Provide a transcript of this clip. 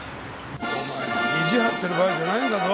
お前意地張ってる場合じゃないんだぞ。